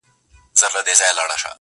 نو دي ولي بنده کړې؛ بیا د علم دروازه ده-